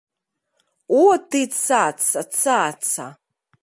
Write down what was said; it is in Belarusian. О, ты цаца, цаца!